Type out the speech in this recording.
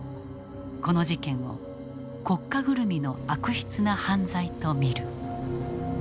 この事件を国家ぐるみの悪質な犯罪と見る。